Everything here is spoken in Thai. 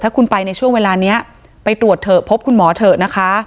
ถ้าคุณไปในช่วงเวลานี้ไปตรวจเถอะพบคุณหมอเถอะนะคะ